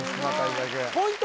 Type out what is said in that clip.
ポイント